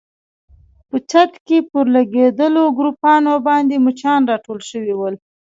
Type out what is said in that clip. په چت کې پر لګېدلو ګروپانو باندې مچان راټول شوي ول.